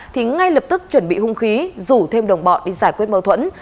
thì ngay lập tức chuẩn bị hung khí rủ thêm đồng bọn đi giải quyết mâu thuẫn